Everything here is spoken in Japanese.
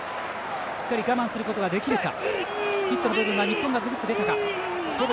しっかり我慢することができるか。